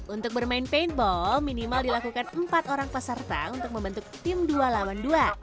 untuk bermain paintball minimal dilakukan empat orang peserta untuk membentuk tim dua lawan dua